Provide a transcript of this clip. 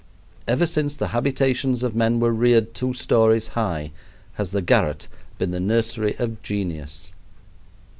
Ever since the habitations of men were reared two stories high has the garret been the nursery of genius.